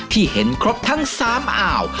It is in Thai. ที่เห็นครบทั้ง๓อ่าว